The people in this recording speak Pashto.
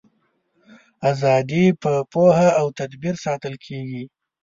ازادي په پوهه او تدبیر ساتل کیږي.